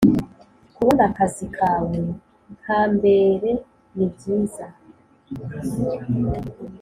Kubona akazi kawe kamberenibyiza